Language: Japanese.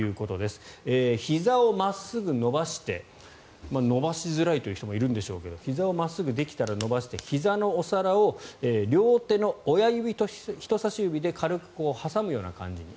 ひざを真っすぐ伸ばして伸ばしづらいという人もいるんでしょうけどもひざを真っすぐできたら伸ばしてひざのお皿を両手の親指と人さし指で軽く挟むような感じに。